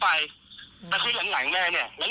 ผมจะไปแล้วคือหลังมาเนี่ย